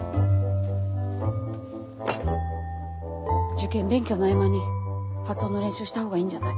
受験勉強の合間に発音の練習した方がいいんじゃない？